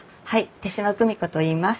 手島久美子といいます。